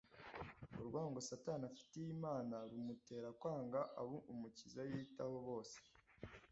urwango satani afitiye imana rumutera kwanga abo umukiza yitaho bose